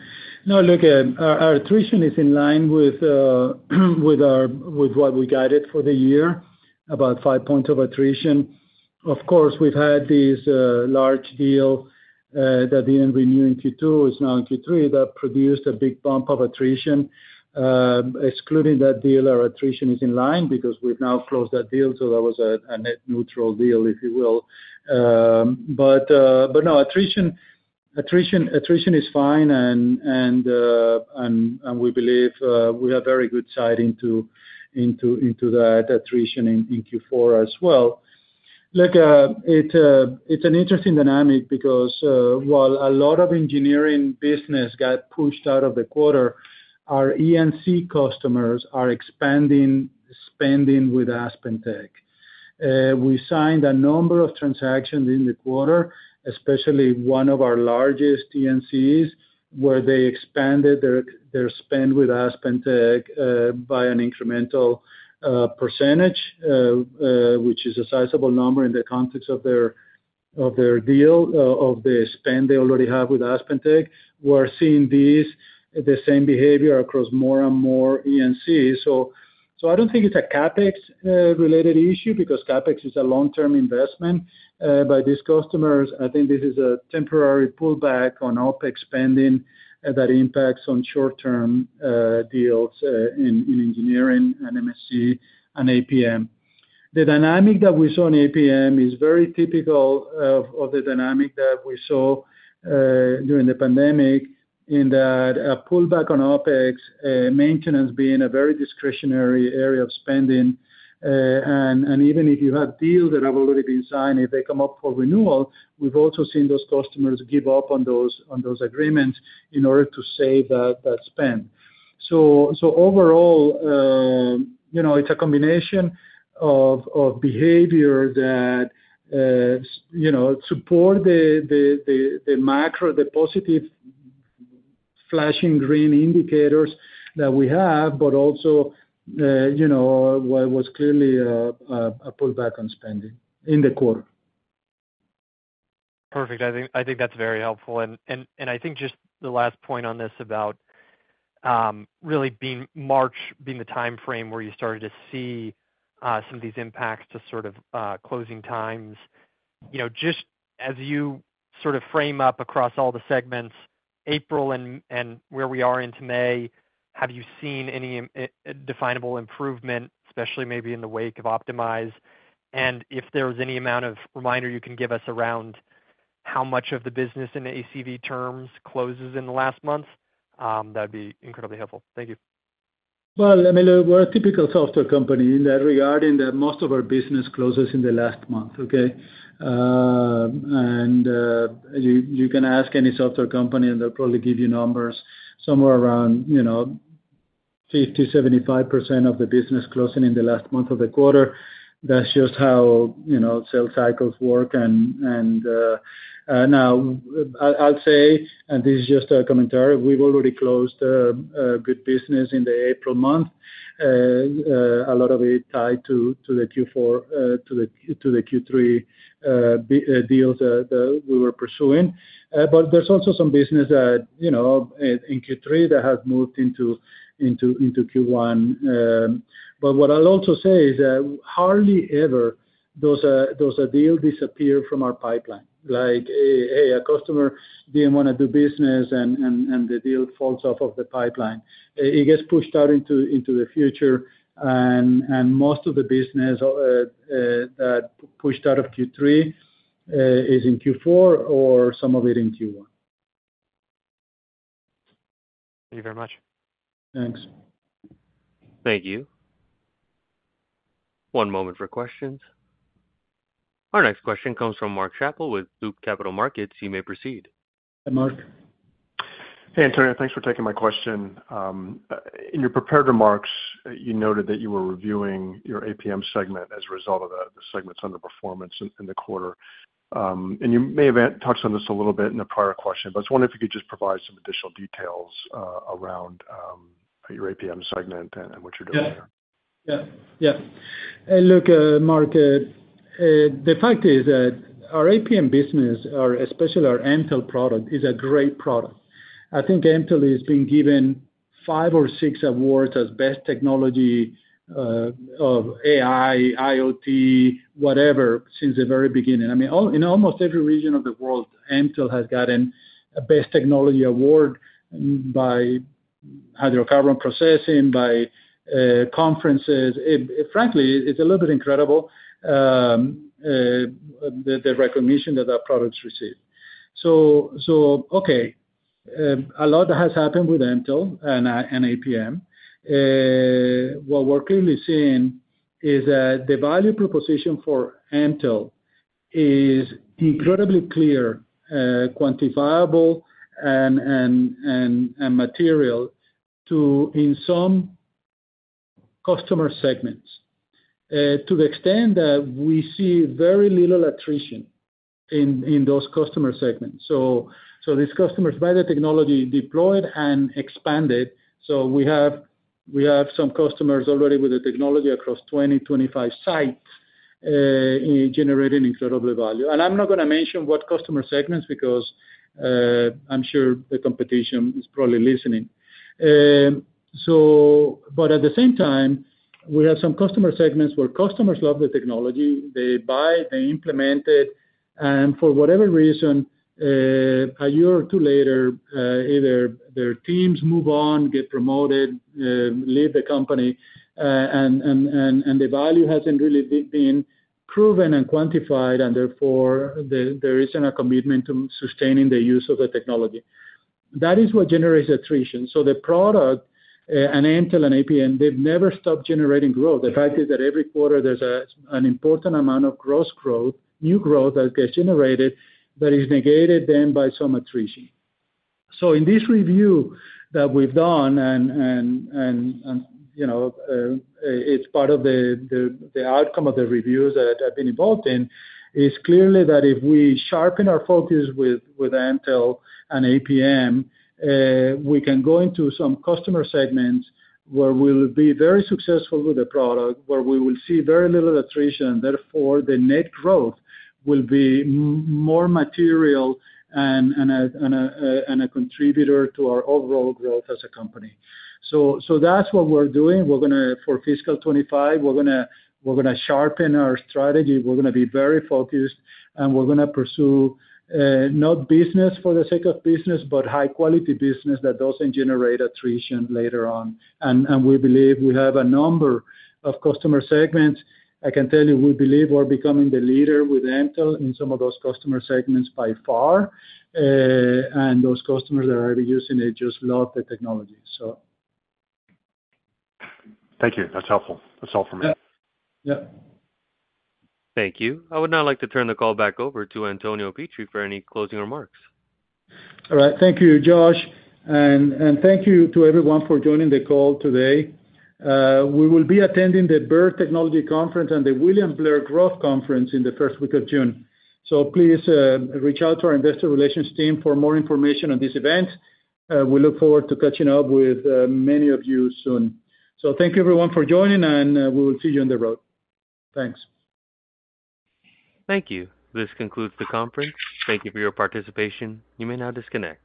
Now, look, our attrition is in line with what we guided for the year, about 5 points of attrition. Of course, we've had this large deal that didn't renew in Q2, is now in Q3, that produced a big bump of attrition. Excluding that deal, our attrition is in line because we've now closed that deal, so that was a net neutral deal, if you will. But no, attrition is fine, and we believe we have very good sight into that attrition in Q4 as well. Look, it's an interesting dynamic because while a lot of engineering business got pushed out of the quarter, our E&C customers are expanding spending with AspenTech. We signed a number of transactions in the quarter, especially one of our largest E&Cs, where they expanded their spend with AspenTech by an incremental percentage, which is a sizable number in the context of their deal, of the spend they already have with AspenTech. We're seeing this same behavior across more and more E&C. So, I don't think it's a CapEx related issue, because CapEx is a long-term investment by these customers. I think this is a temporary pullback on OpEx spending that impacts short-term deals in engineering and MSC and APM. The dynamic that we saw in APM is very typical of, of the dynamic that we saw, during the pandemic, in that a pullback on OpEx, maintenance being a very discretionary area of spending, and, and even if you have deals that have already been signed, if they come up for renewal, we've also seen those customers give up on those, on those agreements in order to save that, that spend. So, so overall, you know, it's a combination of, of behavior that, you know, support the, the, the, the macro, the positive flashing green indicators that we have, but also, you know, what was clearly, a, a pullback on spending in the quarter. Perfect. I think, I think that's very helpful. And I think just the last point on this about March being the timeframe where you started to see some of these impacts to, sort of, closing times. You know, just as you sort of frame up across all the segments, April and where we are into May, have you seen any definable improvement, especially maybe in the wake of Optimize? And if there's any amount of reminder you can give us around how much of the business in the ACV terms closes in the last months, that'd be incredibly helpful. Thank you. ... Well, I mean, we're a typical software company in that regarding that most of our business closes in the last month, okay? And you can ask any software company, and they'll probably give you numbers somewhere around, you know, 50, 75% of the business closing in the last month of the quarter. That's just how, you know, sales cycles work. And now, I'll say, and this is just a commentary, we've already closed a good business in the April month, a lot of it tied to the Q4, to the Q3 deals that we were pursuing. But there's also some business that, you know, in Q3 that has moved into Q1. But what I'll also say is that hardly ever those deals disappear from our pipeline, like, a customer didn't wanna do business and the deal falls off of the pipeline. It gets pushed out into the future. And most of the business that pushed out of Q3 is in Q4 or some of it in Q1. Thank you very much. Thanks. Thank you. One moment for questions. Our next question comes from Mark Schappel with Loop Capital Markets. You may proceed. Hi, Mark. Hey, Antonio, thanks for taking my question. In your prepared remarks, you noted that you were reviewing your APM segment as a result of the segment's underperformance in the quarter. And you may have touched on this a little bit in a prior question, but I was wondering if you could just provide some additional details around your APM segment and what you're doing there? Yeah. Yeah, yeah. Look, Mark, the fact is that our APM business, or especially our Mtell product, is a great product. I think Mtell has been given five or six awards as best technology of AI, IoT, whatever, since the very beginning. I mean, in almost every region of the world, Mtell has gotten a best technology award by Hydrocarbon Processing, by conferences. Frankly, it's a little bit incredible, the recognition that our products receive. So, okay, a lot has happened with Mtell and APM. What we're clearly seeing is that the value proposition for Mtell is incredibly clear, quantifiable and material to, in some customer segments, to the extent that we see very little attrition in those customer segments. So these customers, by the technology, deployed and expanded, so we have some customers already with the technology across 20-25 sites, generating incredible value. And I'm not gonna mention what customer segments, because I'm sure the competition is probably listening. So but at the same time, we have some customer segments where customers love the technology. They buy, they implement it, and for whatever reason, a year or two later, either their teams move on, get promoted, leave the company, and the value hasn't really been proven and quantified, and therefore, there isn't a commitment to sustaining the use of the technology. That is what generates attrition. So the product, and Mtell and APM, they've never stopped generating growth. The fact is that every quarter there's an important amount of gross growth, new growth that gets generated, but is negated then by some attrition. So in this review that we've done, you know, it's part of the outcome of the reviews that I've been involved in, is clearly that if we sharpen our focus with Mtell and APM, we can go into some customer segments where we'll be very successful with the product, where we will see very little attrition. Therefore, the net growth will be more material and a contributor to our overall growth as a company. So that's what we're doing. We're gonna, for Fiscal 25, we're gonna, we're gonna sharpen our strategy, we're gonna be very focused, and we're gonna pursue not business for the sake of business, but high quality business that doesn't generate attrition later on. And we believe we have a number of customer segments. I can tell you, we believe we're becoming the leader with Mtell in some of those customer segments by far. And those customers that are already using it just love the technology, so. Thank you. That's helpful. That's all for me. Yeah, yeah. Thank you. I would now like to turn the call back over to Antonio Pietri for any closing remarks. All right. Thank you, Josh, and, and thank you to everyone for joining the call today. We will be attending the Baird Technology Conference and the William Blair Growth Conference in the first week of June, so please, reach out to our investor relations team for more information on this event. We look forward to catching up with, many of you soon. So thank you, everyone, for joining, and, we will see you on the road. Thanks. Thank you. This concludes the conference. Thank you for your participation. You may now disconnect.